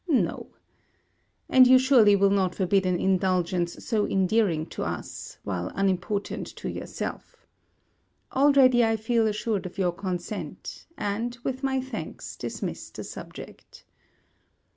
No. And you surely will not forbid an indulgence so endearing to us, while unimportant to yourself. Already I feel assured of your consent; and, with my thanks, dismiss the subject.